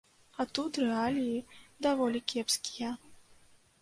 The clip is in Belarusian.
А тут рэаліі даволі кепскія.